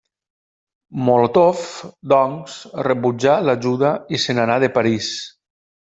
Molotov, doncs, rebutjà l'ajuda i se n'anà de París.